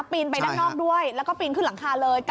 ปีนไปด้านนอกด้วยแล้วก็ปีนขึ้นหลังคาเลย